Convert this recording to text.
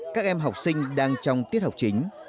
các em học sinh đang trong tiết học chính